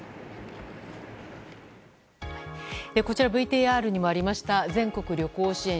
こちら、ＶＴＲにもありました全国旅行支援。